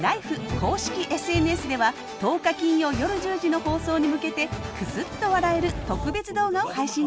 公式ＳＮＳでは１０日金曜夜１０時の放送に向けてくすっと笑える特別動画を配信中。